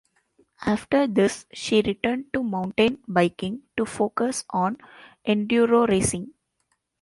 After this she returned to mountain biking to focus on enduro racing.